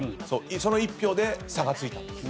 その１票で差がついたんです。